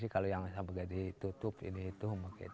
kalau yang sampai gadi tutup ini itu